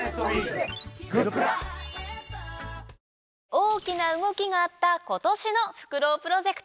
大きな動きがあった今年のフクロウプロジェクト。